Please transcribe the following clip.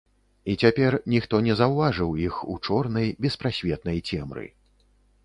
І цяпер ніхто не заўважыў іх у чорнай беспрасветнай цемры.